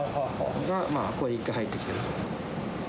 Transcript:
これ１回入ってきてると。